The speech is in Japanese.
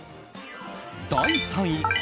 第３位。